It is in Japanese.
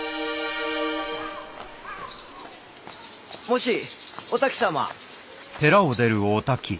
もしお滝様！